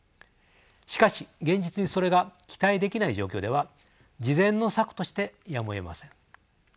しかし現実にそれが期待できない状況では次善の策としてやむをえません。